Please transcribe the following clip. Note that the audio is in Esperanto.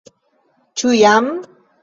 Ĉu jam?